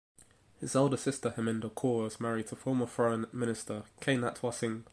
His elder sister Heminder Kaur is married to former foreign minister K. Natwar Singh.